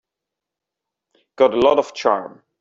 Got a lot of charm.